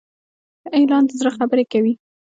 ښه اعلان د زړه خبرې کوي.